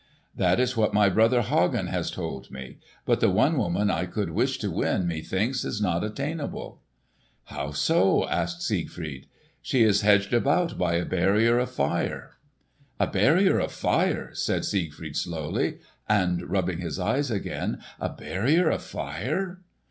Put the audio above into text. "That is what my brother Hagen has told me. But the one woman I could wish to win, methinks, is not attainable." "How so?" asked Siegfried. "She is hedged about by a barrier of fire." "A barrier of fire?" said Siegfried, slowly, and rubbing his eyes again. "A barrier of fire?"